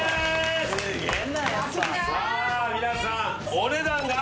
さあ皆さんお値段が？